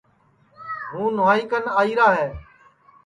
ہوں نُوائی کن آئیرا ہے